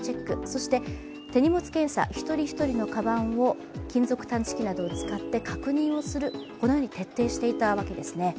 そして、手荷物検査１人１人のかばんを金属探知機などを使って確認をするこのように徹底していたわけですね。